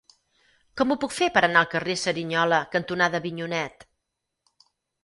Com ho puc fer per anar al carrer Cerignola cantonada Avinyonet?